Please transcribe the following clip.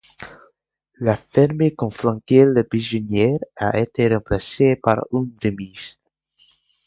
La ferme que flanquait le pigeonnier, a été remplacée par une remise.